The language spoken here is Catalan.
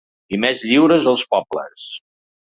I més lliures els pobles.